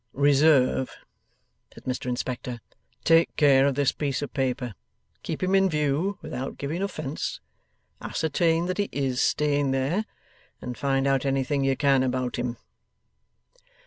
'Reserve!' said Mr Inspector. 'Take care of this piece of paper, keep him in view without giving offence, ascertain that he IS staying there, and find out anything you can about him.